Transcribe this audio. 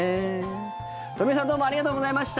鳥海さんどうもありがとうございました。